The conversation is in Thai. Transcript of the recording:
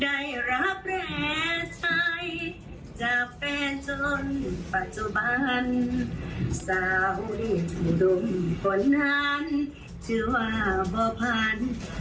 ได้รับแรงชัยจากแฟนจนปัจจุบัน